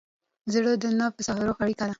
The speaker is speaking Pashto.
زړه د نفس او روح اړیکه ده.